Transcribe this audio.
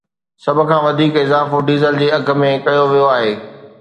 سڀ کان وڌيڪ اضافو ڊيزل جي اگهه ۾ ڪيو ويو آهي